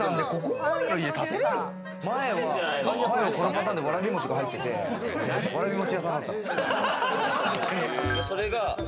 前は、このパターンで、わらび餅が入ってて、わらび餅屋さんだったの。